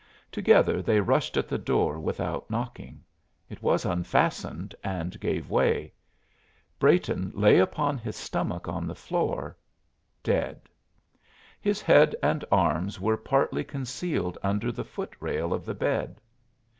Together they rushed at the door without knocking. It was unfastened and gave way. Brayton lay upon his stomach on the floor, dead. His head and arms were partly concealed under the foot rail of the bed.